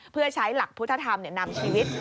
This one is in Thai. เพื่อใช้หลักพุทธธรรมนำชีวิต